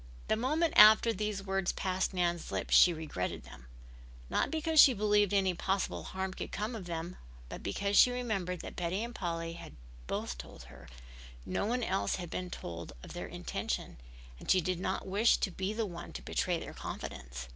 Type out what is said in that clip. The moment after these words passed Nan's lips she regretted them, not because she believed any possible harm could come of them but because she remembered that Betty and Polly had both told her no one else had been told of their intention and she did not wish to be the one to betray their confidence.